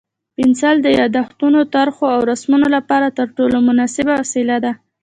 پنسل د یادښتونو، طرحو او رسمونو لپاره تر ټولو مناسبه وسیله ده.